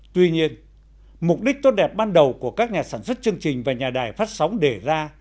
tuy nhiên mục đích tốt đẹp ban đầu của các nhà sản xuất chương trình và nhà đài phát sóng để ra